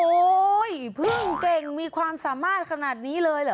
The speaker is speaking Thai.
เพิ่งเก่งมีความสามารถขนาดนี้เลยเหรอ